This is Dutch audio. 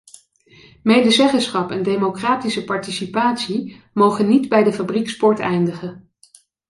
Medezeggenschap en democratische participatie mogen niet bij de fabriekspoort eindigen.